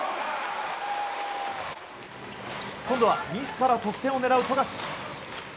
今度は、自ら得点を狙う富樫。